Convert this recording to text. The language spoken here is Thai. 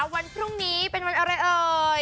วันพรุ่งนี้เป็นวันอะไรเอ่ย